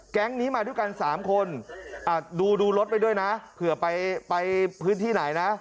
แก๊งนี้มาด้วยกัน๓คนดูดูรถไปด้วยนะเผื่อไปพื้นที่ไหนนะ